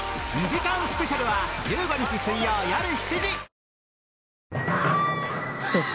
２時間スペシャルは１５日水曜よる７時